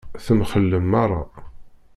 Temxellem meṛṛa.